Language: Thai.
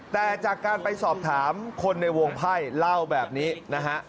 แต่จากการไปสอบถามคนในวงไพ่เล่าแบบนี้นะฮะ